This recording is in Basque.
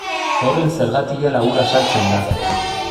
Horren zergatia labur azaltzen da.